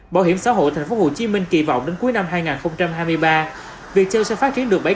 báo hiểm xã hội tp hcm kỳ vọng đến cuối năm hai nghìn hai mươi ba việt theo sẽ phát triển được